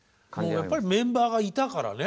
やっぱりメンバーがいたからね。